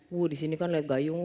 wuh di sini kan liat gayung